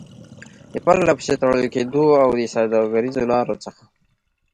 د پرلپسې تړل کېدو او د سوداګريزو لارو څخه